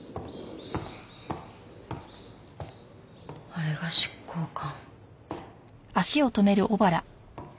あれが執行官。